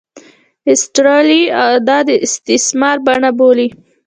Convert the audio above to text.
ایسټرلي دا د استثمار بڼه بولي.